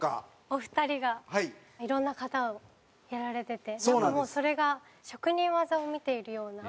お二人がいろんな方をやられててなんかもうそれが職人技を見ているような。